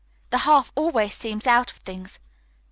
The half always seems out of things.